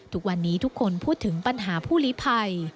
ทุกวันนี้ทุกคนพูดถึงปัญหาผู้ลิภัย